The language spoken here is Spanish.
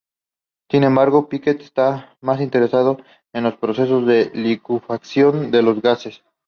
Sin embargo, Pictet estaba más interesado en los procesos de licuefacción de los gases.